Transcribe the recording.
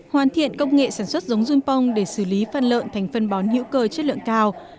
hoàn thiện công nghệ sản xuất giống junpong để xử lý phân lợn thành phân bón hữu cơ chất lượng cao